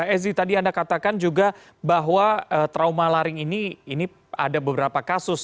ezi tadi anda katakan juga bahwa trauma laring ini ada beberapa kasus